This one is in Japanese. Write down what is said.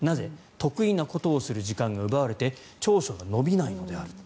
得意なことをする時間が奪われて長所が伸びないのであると。